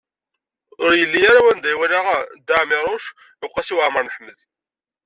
Ur yelli ara wanda i walaɣ Dda Ɛmiiruc u Qasi Waɛmer n Ḥmed.